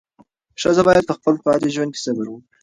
ښځه باید په خپل پاتې ژوند کې صبر وکړي.